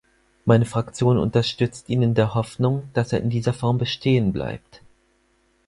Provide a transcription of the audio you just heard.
Meine Fraktion unterstützt ihn in der Hoffnung, dass er in dieser Form bestehen bleibt.